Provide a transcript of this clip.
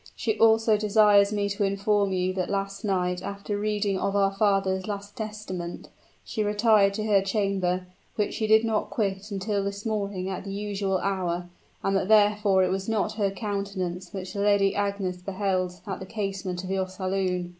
She also desires me to inform you that last night after reading of our father's last testament, she retired to her chamber, which she did not quit until this morning at the usual hour; and that therefore it was not her countenance which the Lady Agnes beheld at the casement of your saloon."